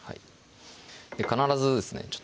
必ずですね